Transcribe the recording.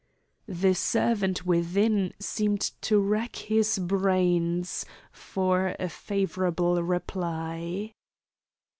The servant within seemed to rack his brains for a favourable reply.